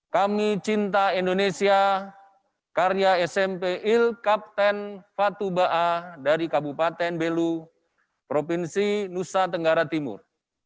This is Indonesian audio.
kami cinta indonesia karya smp il kapten fatubaa dari kabupaten belu provinsi nusa tenggara timur